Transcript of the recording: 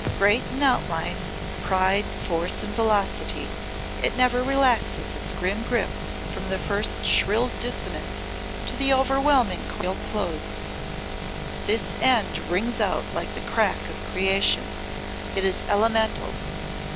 Great in outline, pride, force and velocity, it never relaxes its grim grip from the first shrill dissonance to the overwhelming chordal close. This end rings out like the crack of creation. It is elemental.